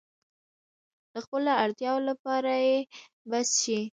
د خپلو اړتیاوو لپاره يې بس شي.